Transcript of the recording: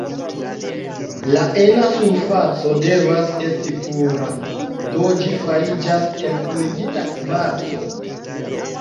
La ena surfaco devas esti pura, do ĝi fariĝas el purigita kvarco.